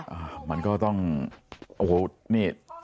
อ่ามันก็ต้องโอ้โหนี่